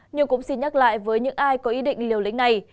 nhưng cũng xin nhắc lại với những ai có ý định liều lĩnh này